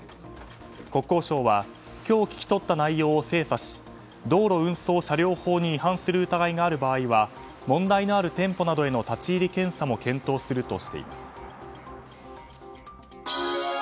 国交省は今日聞き取った内容を精査し道路運送車両法に違反する疑いがある場合は問題のある店舗などへの立ち入り検査も検討するとしています。